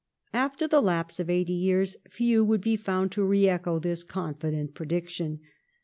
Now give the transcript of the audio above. After the lapse of eighty years, . few would be found to re echo his confident prediction.